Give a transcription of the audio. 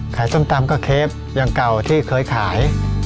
ส้มตำก็เคฟอย่างเก่าที่เคยขาย